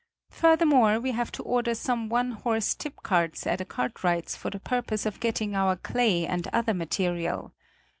Furthermore we have to order some one horse tipcarts at a cartwright's for the purpose of getting our clay and other material.